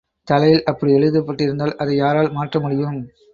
தலையில் அப்படி எழுதப்பட்டிருந்தால் அதை யாரால் மாற்ற முடியும்?